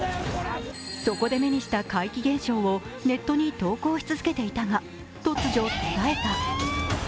そこで目にした怪奇現象をネットに投稿し続けていたが突如、途絶えた。